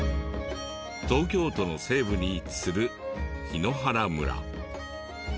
東京都の西部に位置する檜原村。